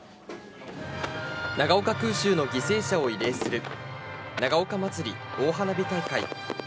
長岡空襲の犠牲者を慰霊する、長岡まつり大花火大会。